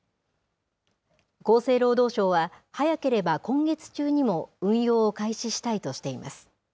厚生労働省は、早ければ今月中にも運用を開始したいとしています。